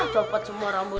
copot semua rambutnya